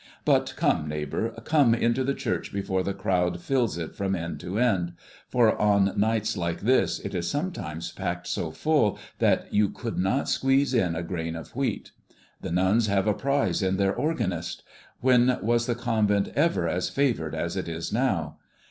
"But come, neighbor, come into the church before the crowd fills it from end to end; for on nights like this it is sometimes packed so full that you could not squeeze in a grain of wheat. The nuns have a prize in their organist. When was the convent ever as favored as it is now?